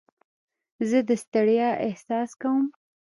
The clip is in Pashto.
زه د ستړیا احساس کوم.